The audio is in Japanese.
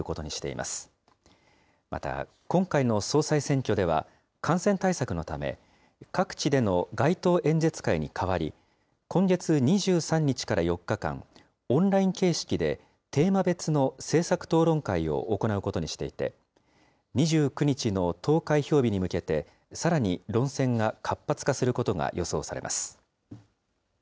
また、今回の総裁選挙では感染対策のため、各地での街頭演説会に代わり、今月２３日から４日間、オンライン形式でテーマ別の政策討論会を行うことにしていて、２９日の投開票日に向けて、さらに論戦が活発化することが予想されます。